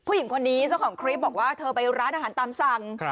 ผู้หญิงคนนี้เจ้าของคลิปบอกว่าเธอไปร้านอาหารตามสั่ง